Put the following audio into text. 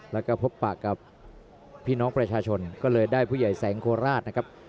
แล้วก็พบปากกับพี่น้องประชาชนก็เลยได้ผู้ใหญ่แสงโคราชนะครับ